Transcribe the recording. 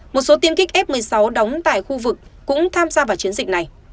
một số tiêm kích f một mươi sáu đóng tại khu vực cũng tham gia vào chiến dịch này